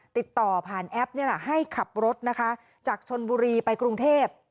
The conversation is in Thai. ติดต่อผ่านแอปนี่แหละให้ขับรถนะคะจากชนบุรีไปกรุงเทพ